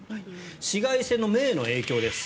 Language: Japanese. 紫外線の目への影響です。